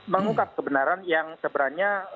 mengungkap kebenaran yang sebenarnya